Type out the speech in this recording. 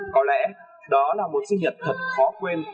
có lẽ đó là một sinh nhật thật khó quên